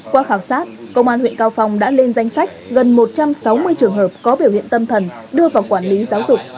qua khảo sát công an huyện cao phong đã lên danh sách gần một trăm sáu mươi trường hợp có biểu hiện tâm thần đưa vào quản lý giáo dục